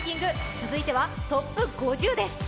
続いてはトップ５０です。